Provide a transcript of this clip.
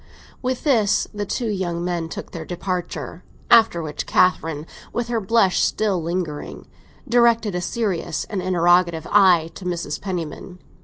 With this the two young men took their departure; after which Catherine, with her blush still lingering, directed a serious and interrogative eye to Mrs. Penniman.